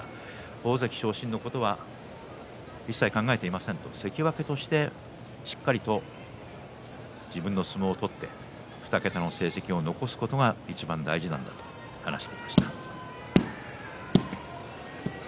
大関昇進のことは一切考えていませんと関脇として、しっかりと自分の相撲を取って２桁の成績を残すことがいちばん大事と言っていました。